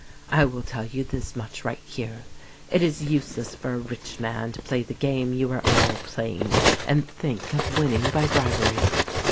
"I will tell vou this much right here. It is useless for a 150 THE RECORDING ANGEL rich man to play the game you are all playing, and think of winning by bribery.